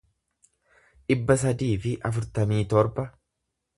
dhibba sadii fi afurtamii torba